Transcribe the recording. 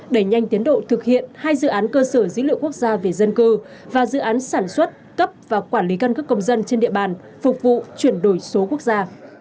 đẩy nhanh tiến độ thực hiện hai dự án cơ sở dữ liệu quốc gia về dân cư và dự án sản xuất cấp và quản lý căn cước công dân trên địa bàn phục vụ chuyển đổi số quốc gia